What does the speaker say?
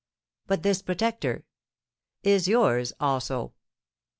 "But this protector?" "Is yours also."